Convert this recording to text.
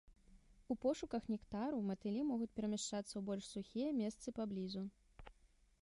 У пошуках нектару матылі могуць перамяшчацца ў больш сухія месцы паблізу.